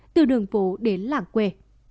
từ đường phố đến làng quê